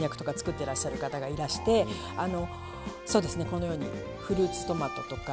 てらっしゃる方がいらしてこのようにフルーツトマトとか。